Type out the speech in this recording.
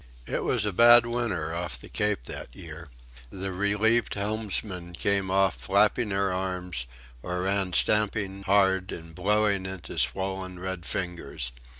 It was a bad winter off the Cape that year. The relieved helmsmen came off flapping their arms, or ran stamping hard and blowing into swollen, red fingers.